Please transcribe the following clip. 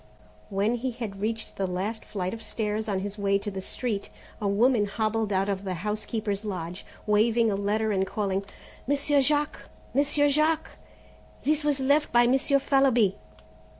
When he had reached the last flight of stairs on his way to the street a woman hobbled out of the house keeper's lodge waving a letter and calling: "Monsieur Jack! Monsieur Jack! this was left by Monsieur Fallowby!"